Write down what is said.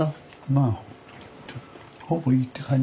まあほぼいいって感じはするな。